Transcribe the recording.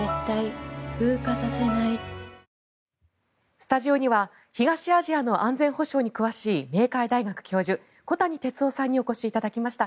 スタジオには東アジアの安全保障に詳しい明海大学教授、小谷哲男さんにお越しいただきました。